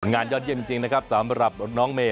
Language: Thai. ยอดเยี่ยมจริงนะครับสำหรับน้องเมย